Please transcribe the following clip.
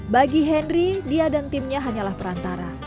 bagi henry dia dan timnya hanyalah perantara